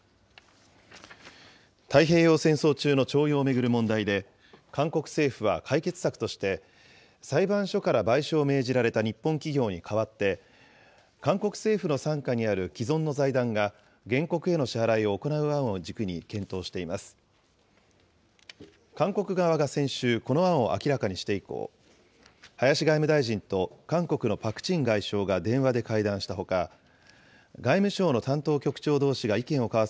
太平洋戦争中の徴用を巡る問題で、韓国政府は解決策として、裁判所から賠償を命じられた日本企業に代わって、韓国政府の傘下にある既存の財団が、原告への支払いを行う案を軸に検討しています。